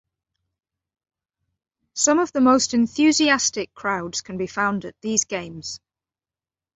Some of the most enthusiastic crowds can be found at these games.